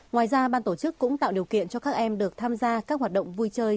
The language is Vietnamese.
ngoài ra ban tổ chức cũng tạo điều kiện cho các em được tham gia các hoạt động vui chơi